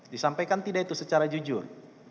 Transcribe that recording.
disampaikan tidak itu secara jujur